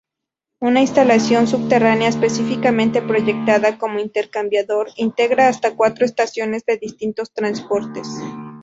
Una instalación subterránea, específicamente proyectada como intercambiador, integra hasta cuatro estaciones de distintos transportes.